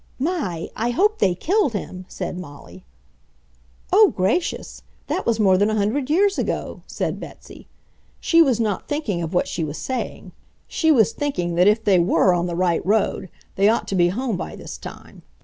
"My! I hope they killed him!" said Molly. "Oh, gracious! that was more than a hundred years ago," said Betsy. She was not thinking of what she was saying. She was thinking that if they WERE on the right road they ought to be home by this time.